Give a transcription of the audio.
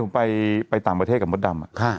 ผมไปต่างประเทศกับมดดำ